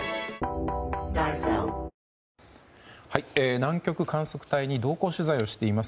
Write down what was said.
南極観測隊に同行取材をしています